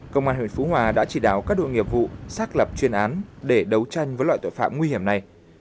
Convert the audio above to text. công an huyện phú hòa đã chỉ đạo các đội nghiệp vụ xác lập chuyên án để đấu tranh với loại tội phạm nguy hiểm này